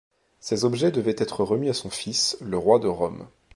Ces objets devaient être remis à son fils, le Roi de Rome.